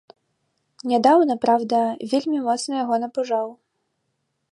Нядаўна, праўда, вельмі моцна яго напужаў.